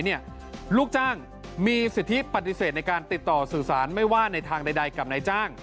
ลูกจ้างมีสิทธิปฏิเสธในการติดต่อสื่อสารไม่ว่าในทางใดกับนายจ้าง